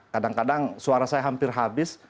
kadang kadang suara saya hampir habis